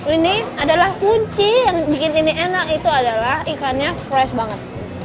ini adalah kunci yang bikin ini enak itu adalah ikannya fresh banget